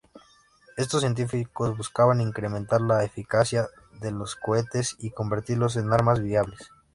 Estos científicos buscaban incrementar la eficacia de los cohetes y convertirlos en armas viables.